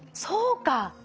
そうか。